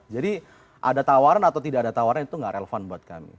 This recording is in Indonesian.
ada tawaran atau tidak ada tawaran itu nggak relevan buat kami